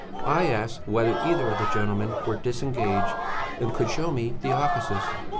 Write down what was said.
I asked whether either of the gentlemen were disengaged and could show me the offices.